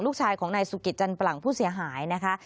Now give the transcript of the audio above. ลูกชายของนายสุกิตจันปลั่งผู้เสียหายนะคะ